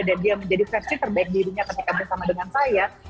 dan dia menjadi versi terbaik dirinya ketika bersama dengan saya